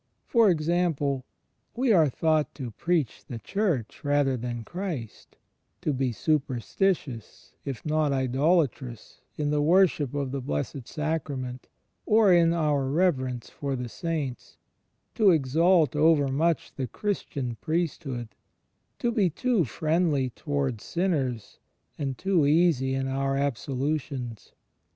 For example, we are thought to "preach the Church rather than Christ," to be superstitious, if not idolatrous, in our worship of the Blessed Sacra ment or in our reverence for the Saints, to exalt over much the Christian priesthood, to be too friendly towards sinners and too easy in our absolutions.